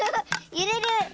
ゆれる！